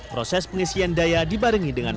proses pengisian daya dibarengi dengan